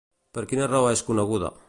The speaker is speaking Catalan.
Per quina raó és coneguda?